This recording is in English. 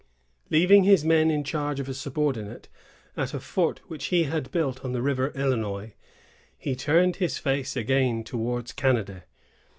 Leaving his men in charge of a subordinate at a fort which he had built on the river Illinois, he turned his face again towards Canada.